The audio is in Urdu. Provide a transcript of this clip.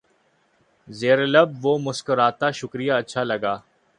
زیر لب وہ مسکراتا شکریہ اچھا لگا